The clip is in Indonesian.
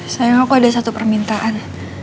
sayang aku ada satu permintaan